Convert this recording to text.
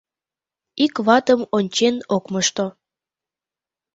Ик ватым ончен ок мошто.